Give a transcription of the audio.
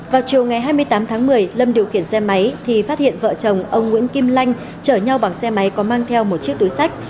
vào chiều ngày hai mươi tám tháng một mươi lâm điều khiển xe máy thì phát hiện vợ chồng ông nguyễn kim lanh chở nhau bằng xe máy có mang theo một chiếc túi sách